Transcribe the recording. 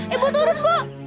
ibu turun bu